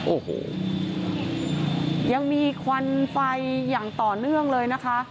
โอ้โหยังมีควันไฟอย่างต่อเนื่องเลยนะคะ